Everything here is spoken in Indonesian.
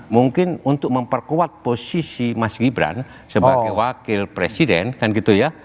mungkin untuk memperkuat posisi mas gibran sebagai wakil presiden kan gitu ya